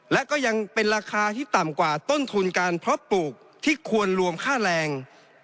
และก็ยังเป็นราคาที่ต่ำกว่าต้นทุนการเพาะปลูกที่ควรรวมค่าแรง